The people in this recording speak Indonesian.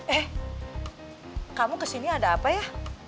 eh kamu kesini ada apa ya